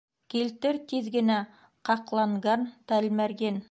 Килтер тиҙ генә ҡаҡланган тәлмәрйен!